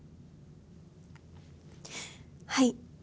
はい。